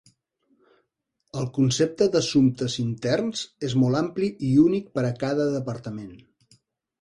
El concepte d'Assumptes Interns és molt ampli i únic per a cada departament.